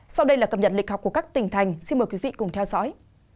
sau đây là cập nhật lịch học của các tỉnh thành xin mời quý vị cùng theo dõi